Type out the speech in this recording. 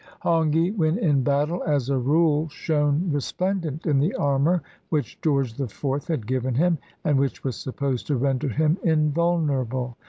Hongi, when in battle, as a rule shone resplendent in the armor which George IV had given him, and which was supposed to render him invulnerable.